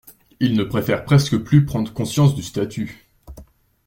Ils ne préfèrent presque plus prendre conscience du statut...